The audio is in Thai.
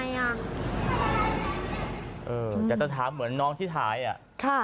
อยากจะถามเหมือนน้องที่ถ่ายอ่ะค่ะ